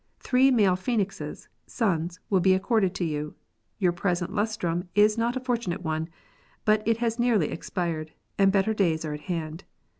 Three male phoenixes (sons) will be accorded to you. Your present lustrum is not a fortunate one ; but it has nearly expired, and better days are at hand.